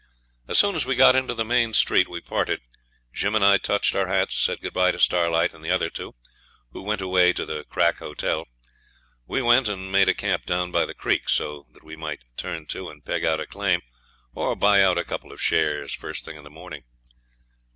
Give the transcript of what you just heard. As soon as we got into the main street we parted. Jim and I touched our hats and said good bye to Starlight and the other two, who went away to the crack hotel. We went and made a camp down by the creek, so that we might turn to and peg out a claim, or buy out a couple of shares, first thing in the morning.